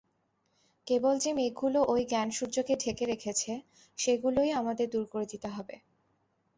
কেবল যে মেঘগুলো ঐ জ্ঞানসূর্যকে ঢেকে রেখেছে, সেইগুলো আমাদের দূর করে দিতে হবে।